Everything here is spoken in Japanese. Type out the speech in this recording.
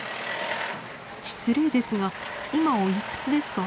失礼ですが今おいくつですか？